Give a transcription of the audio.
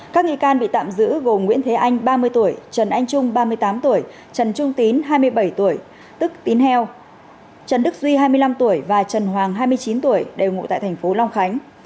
các nghi can bị tạm giữ gồm nguyễn thế anh ba mươi tuổi trần anh trung ba mươi tám tuổi trần trung tín hai mươi bảy tuổi tức tín heo trần đức duy hai mươi năm tuổi và trần hoàng hai mươi chín tuổi đều ngụ tại thành phố long khánh